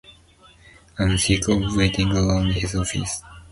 I'm sick of waiting around his office.